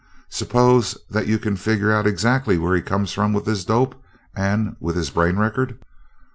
Suppose that you can figure out exactly where he comes from with this dope and with his brain record?"